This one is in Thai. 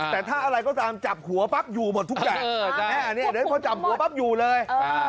แต่ถ้าอะไรก็ตามจับหัวปั๊บอยู่หมดทุกอย่างเดี๋ยวพอจับหัวปั๊บอยู่เลย